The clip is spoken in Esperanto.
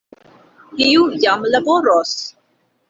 Iu jam laboros!